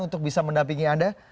untuk bisa mendampingi anda